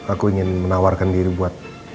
aku ingin menawarkan diri buat